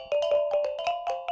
saluang atau suruling panjang